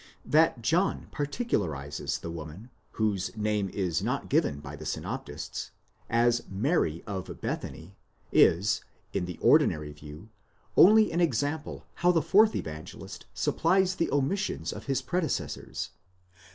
'That John particularizes the woman, whose name is not given by the synoptists, as Mary of Bethany, is, in the ordinary view, only an example how the fourth Evangelist supplies the omissions of his predecessors.